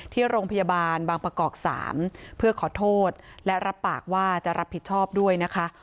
ที่โรงพยาบาลบางประกอบ๓เพื่อขอโทษและรับปากว่าจะรับผิดชอบด้วยนะคะ